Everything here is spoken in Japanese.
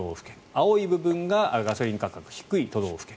青い部分がガソリン価格低い都道府県。